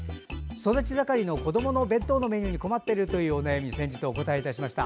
育ち盛りの子どもの弁当のメニューに困っているというお悩みに先日お答えしました。